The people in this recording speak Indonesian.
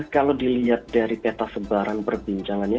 kalau dilihat dari peta sebaran perbincangannya